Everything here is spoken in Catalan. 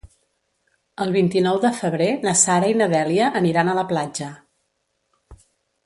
El vint-i-nou de febrer na Sara i na Dèlia aniran a la platja.